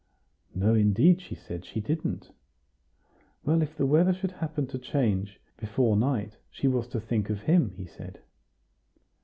No, indeed, she said, she didn't. Well, if the weather should happen to change before night, she was to think of him, he said.